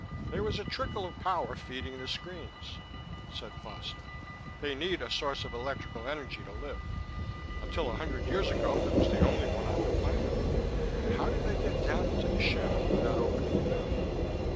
"There was a trickle of power feeding the screens," said Foster. "They need a source of electrical energy to live; until a hundred years ago it was the only one on the planet." "How did they get down into the shaft without opening it up?"